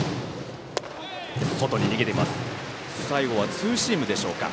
最後はツーシームでしょうか。